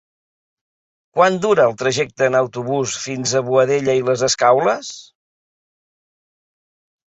Quant dura el trajecte en autobús fins a Boadella i les Escaules?